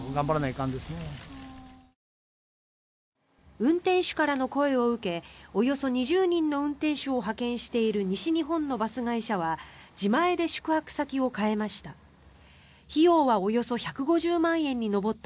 運転手からの声を受けおよそ２０人の運転手を派遣している西日本のバス会社は自前で宿泊先を変えました。